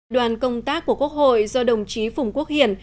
đoàn công tác của quốc hội do đồng chí phùng quốc hiển